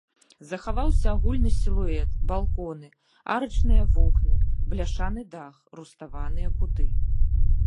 Захаваўся агульны сілуэт, балконы, арачныя вокны, бляшаны дах, руставаныя куты.